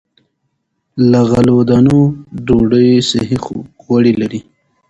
له غلو- دانو ډوډۍ صحي غوړي لري.